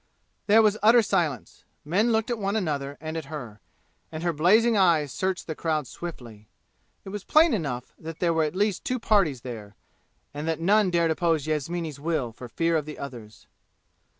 There was utter silence. Men looked at one another and at her, and her blazing eyes searched the crowd swiftly. It was plain enough that there were at least two parties there, and that none dared oppose Yasmini's will for fear of the others.